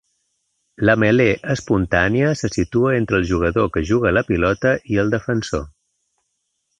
La melé espontània se situa entre el jugador que juga la pilota i el defensor.